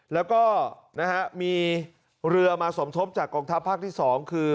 แล้วก็นะฮะมีเรือมาสมทบจากกองทัพภาคที่๒คือ